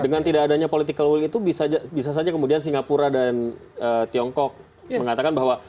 dengan tidak adanya political will itu bisa saja kemudian singapura dan tiongkok mengatakan bahwa